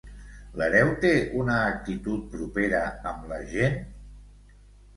L'hereu té una actitud propera amb la gent?